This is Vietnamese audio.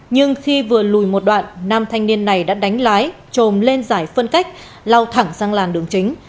nhưng khi vừa lùi một đoạn nam thanh niên này đã đánh lái trồm lên giải phân cách lao thẳng sang làn đường chính